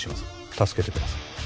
助けてください